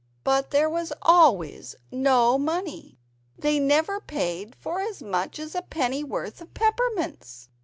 But there was always no money; they never paid for as much as a penny worth of peppermints.